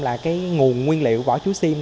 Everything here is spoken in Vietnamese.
là nguồn nguyên liệu vỏ chuối xiêm